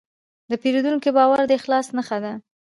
د پیرودونکي باور د اخلاص نښه ده.